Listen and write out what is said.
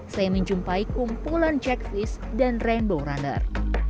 saya menjumpai kumpulan jackfish dan rainbow runner